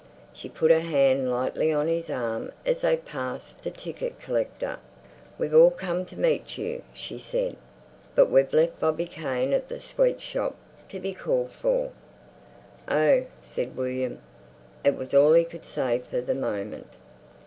She put her hand lightly on his arm as they passed the ticket collector. "We've all come to meet you," she said. "But we've left Bobby Kane at the sweet shop, to be called for." "Oh!" said William. It was all he could say for the moment.